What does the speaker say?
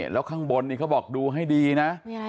แล้วข้างบนนี่เขาบอกดูให้ดีนะ